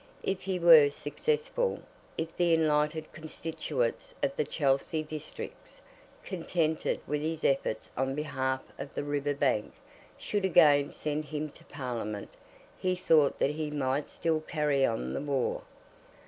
If he were successful, if the enlightened constituents of the Chelsea Districts, contented with his efforts on behalf of the River Bank, should again send him to Parliament, he thought that he might still carry on the war.